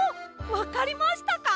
わかりましたか？